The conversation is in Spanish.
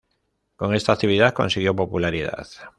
Con esta actividad consiguió popularidad.